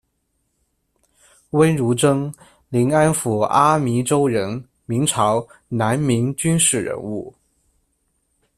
温如珍，临安府阿迷州人，明朝、南明军事人物。